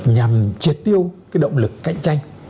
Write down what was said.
nhằm triệt tiêu cái động lực cạnh tranh